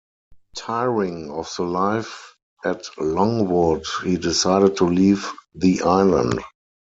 Tiring of the life at Longwood, he decided to leave the island.